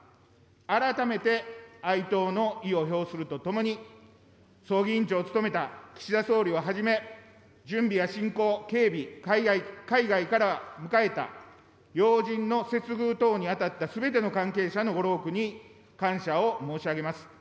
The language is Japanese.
改めて哀悼の意を表するとともに、葬儀委員長を務めた岸田総理をはじめ、準備や進行、警備、海外から迎えた要人の接遇等に当たったすべての関係者のご労苦に感謝を申し上げます。